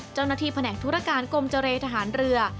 เจ้าหน้าที่แผนกธุรการกลมเจรฐานเรือ